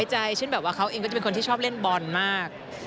เช่นแบบว่าเขาเองก็จะเป็นคนที่ชอบเล่นบอลมาก